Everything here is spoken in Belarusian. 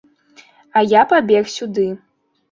А я пабег сюды.